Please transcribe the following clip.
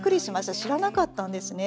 知らなかったんですね。